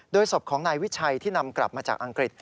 ศพของนายวิชัยที่นำกลับมาจากอังกฤษ